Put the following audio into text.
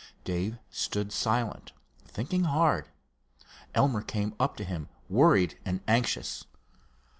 Dave stood silent, thinking hard. Elmer came up to him, worried and anxious.